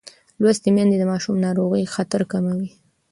لوستې میندې د ماشوم د ناروغۍ خطر کموي.